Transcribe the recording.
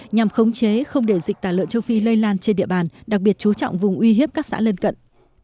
nhằm khống chế không để dịch tả lợn châu phi lây lan trên địa bàn đặc biệt chú trọng vùng uy hiếp các xã lân cận